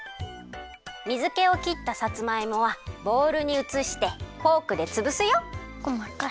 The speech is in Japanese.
水けをきったさつまいもはボウルにうつしてフォークでつぶすよ。